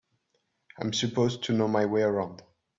I'm supposed to know my way around.